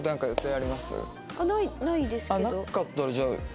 なかったらじゃあ。